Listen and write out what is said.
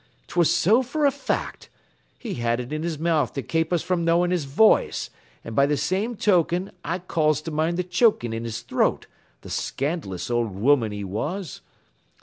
'Twas so, fer a fact. He had it in his mouth to kape us from knowin' his voice, an' by th' same tokin, I calls to mind th' chokin' in his throat, the scand'lous owld woman he was.'